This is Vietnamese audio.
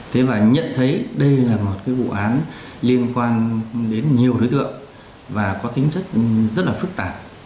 thế và nhận thấy đây là một cái vụ án liên quan đến nhiều đối tượng và có tính chất rất là phức tạp